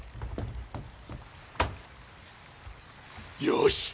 よし。